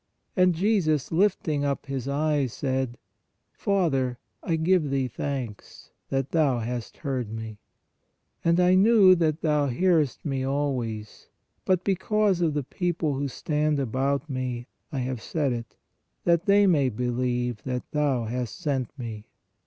And Jesus lifting up His eyes said : Father, I give Thee thanks that Thou hast heard Me. And I knew that Thou near est Me always; but because of the people who stand about Me, I have said it, that they may believe that Thou hast sent Me.